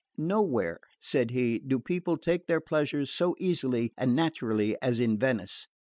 "Nowhere," said he, "do people take their pleasures so easily and naturally as in Venice.